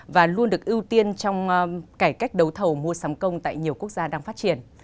và luôn được ưu tiên trong cải cách đấu thầu mua sắm công tại nhiều quốc gia đang phát triển